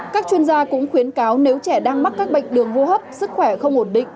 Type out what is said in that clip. các chuyên gia cũng khuyến cáo nếu trẻ đang mắc các bệnh đường hô hấp sức khỏe không ổn định